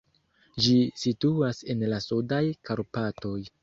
Ĝi situas en la Sudaj Karpatoj.